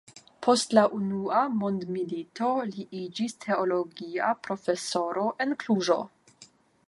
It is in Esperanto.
Post la unua mondmilito li iĝis teologia profesoro en Kluĵo.